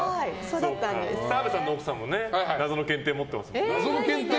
澤部さんの奥さんも謎の検定持ってますもんね。